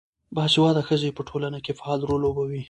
باسواده ښځې په ټولنه کې فعال رول لوبوي.